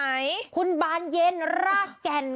ฮู้คุณบานเย็นร้าแก่นคุณทม